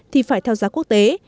thì phải theo giá quốc tế